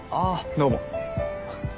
どうも。